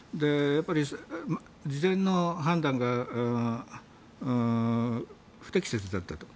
やっぱり事前の判断が不適切だった。